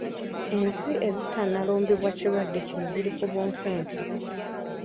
Ensi ezitannalumbibwa kirwadde kino ziri ku bunkenke.